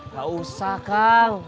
gak usah kang